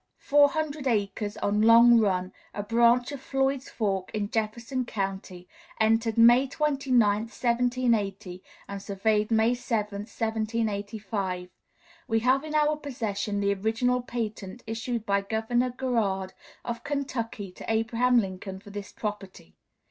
Four hundred acres on Long Run, a branch of Floyd's Fork, in Jefferson County, entered May 29, 1780, and surveyed May 7, 1785. We have in our possession the original patent issued by Governor Garrard, of Kentucky, to Abraham Lincoln for this property.